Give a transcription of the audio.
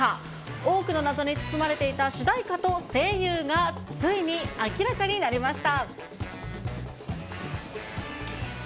多くの謎に包まれていた主題歌と声優がついに明らかになりました。